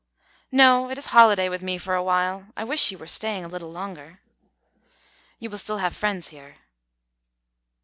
"No; it is holiday with me for a while. I wish you were staying a little longer." "You will still have friends here."